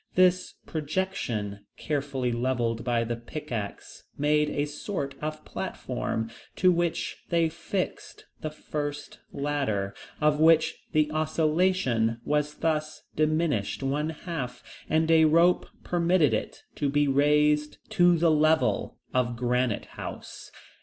This projection, carefully leveled by the pickaxe, made a sort of platform, to which they fixed the first ladder, of which the oscillation was thus diminished one half, and a rope permitted it to be raised to the level of Granite House.